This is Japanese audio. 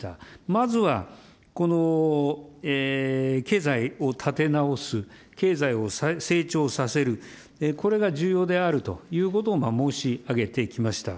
まずはこの経済を立て直す、経済を成長させる、これが重要であるということを申し上げてきました。